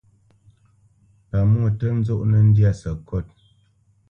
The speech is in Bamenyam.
Pamwô tǝ́ nzɔnǝ́ ndyâ sǝkôt.